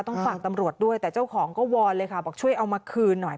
ต้องฝากตำรวจด้วยแต่เจ้าของก็วอนเลยค่ะบอกช่วยเอามาคืนหน่อย